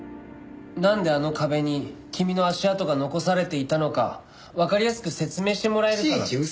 なんであの壁に君の足跡が残されていたのかわかりやすく説明してもらえるかな？